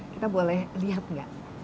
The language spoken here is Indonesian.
kita boleh lihat nggak